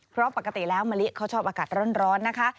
เพราะปกติแล้วมะลิเขาชอบอากาศร้อนนะคะ